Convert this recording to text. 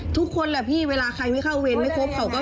ทุกคนแหละพี่เวลาใครไม่เข้าเวรไม่ครบเขาก็